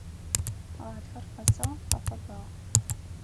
Гъатхэр къэсыгъ, къэфэбагъ.